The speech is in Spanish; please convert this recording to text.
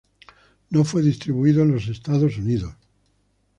No fue distribuido en los Estados Unidos.